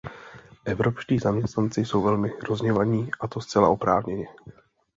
Evropští zaměstnanci jsou velmi rozhněvaní, a to zcela oprávněně.